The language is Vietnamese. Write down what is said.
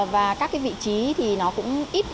và các cái vị trí thì nó cũng ít